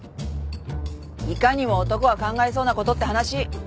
いかにも男が考えそうなことって話。